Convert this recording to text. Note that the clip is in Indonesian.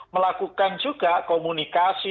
melakukan juga komunikasi